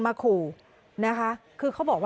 ไม่รู้จริงว่าเกิดอะไรขึ้น